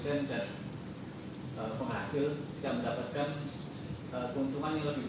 setelah kemarin ada pemberhentian itu